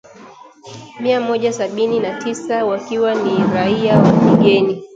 mia moja sabini na tisa wakiwa ni raia wa kigeni